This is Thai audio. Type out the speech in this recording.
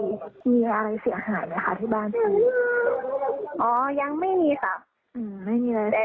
มีอะไรเสียหายไหมคะที่บ้านพี่อ๋อยังไม่มีค่ะอืมไม่มีอะไร